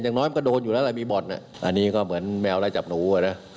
อย่างน้อยมันกระโดนอยู่นะมีบ่อนอันนี้ก็เหมือนแมวได้จับหนูอ่ะ